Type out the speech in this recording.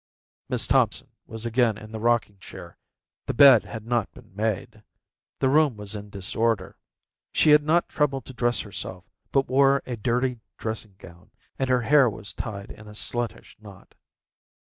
Miss Thompson was again in the rocking chair. The bed had not been made. The room was in disorder. She had not troubled to dress herself, but wore a dirty dressing gown, and her hair was tied in a sluttish knot.